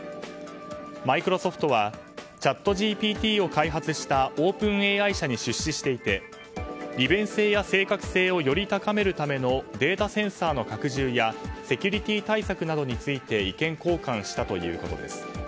マイクロソフトはチャットＧＰＴを開発したオープンＡＩ社に出資していて、利便性や正確性をより高めるためのデータセンサーの拡充やセキュリティー対策について意見交換したということです。